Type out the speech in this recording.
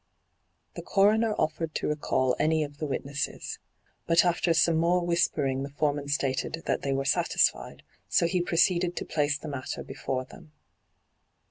The coroner offered to recall any of the witnesses. But after some more whispering the foreman stated that they were satisfied, so he proceeded to place the matter before them.